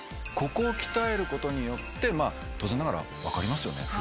ここを鍛えることによって当然ながら分かりますよね？